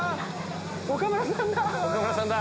岡村さんだ！